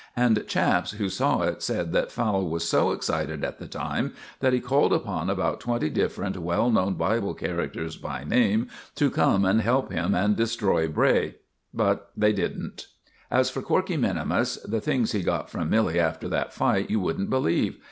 And chaps who saw it said that Fowle was so excited at the time that he called upon about twenty different well known Bible characters by name to come and help him and destroy Bray. But they didn't. As for Corkey minimus, the things he got from Milly after that fight you wouldn't believe.